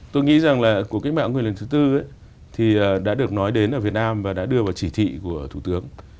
tôi nghĩ rằng là cuộc cách mạng người lần thứ tư thì đã được nói đến ở việt nam và đã đưa vào chỉ thị của thủ tướng